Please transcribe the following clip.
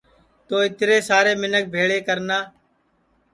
تو اِترے سارے منکھ بھیݪے کرنا